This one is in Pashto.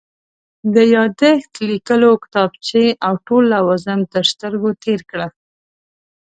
د یادښت لیکلو کتابچې او ټول لوازم تر سترګو تېر کړل.